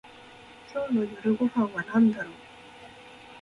今日の夜ご飯はなんだろう